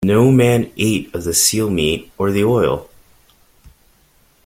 No man ate of the seal meat or the oil.